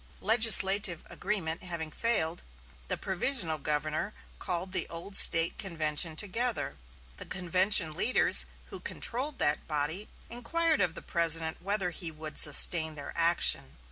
Legislative agreement having failed, the provisional governor called the old State convention together. The convention leaders who controlled that body inquired of the President whether he would sustain their action.